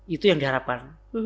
itu yang diharapkan